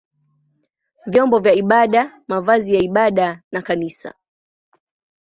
vyombo vya ibada, mavazi ya ibada na kanisa.